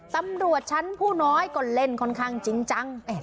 ตำรวจชั้นผู้น้อยก็เล่นค่อนข้างจริงจัง